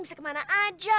bisa kemana aja